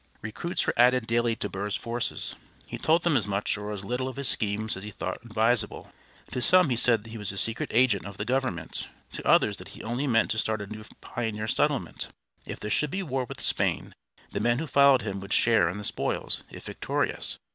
Recruits were added daily to Burr's forces. He told them as much or as little of his schemes as he thought advisable. To some he said that he was a secret agent of the government, to others that he only meant to start a new pioneer settlement. If there should be war with Spain the men who followed him would share in the spoils, if victorious.